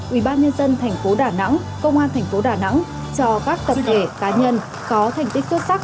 ubnd tp đà nẵng công an thành phố đà nẵng cho các tập thể cá nhân có thành tích xuất sắc